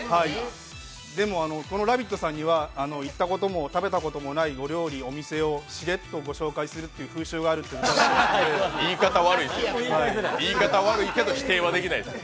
でも、この「ラヴィット！」さんには行ったこともない、食べたこともないお店をしれっとご紹介する風習があるということで言い方悪いけど否定はできないよ。